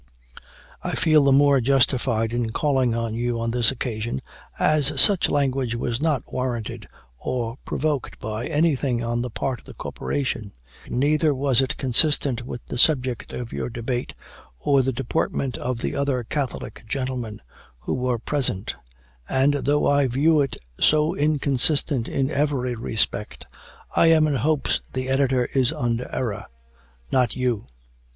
"I feel the more justified in calling on you on this occasion, as such language was not warranted or provoked by any thing on the part of the Corporation; neither was it consistent with the subject of your Debate, or the deportment of the other Catholic gentlemen, who were present; and, though I view it so inconsistent in every respect, I am in hopes the Editor is under error, not you.